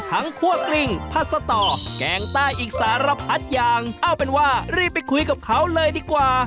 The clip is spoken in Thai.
ทั้งครั่วกริงพัดสะต่อแกล้งใต้อิกษารับพัดยางเอาเป็นว่ารีบไปคุยกับเขาเลยดีกว่า